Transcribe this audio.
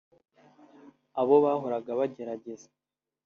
Abo bahora bagerageza